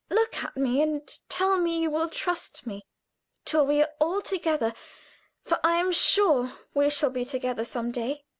Look at me and tell me you will trust me till we are all together, for I am sure we shall be together some day."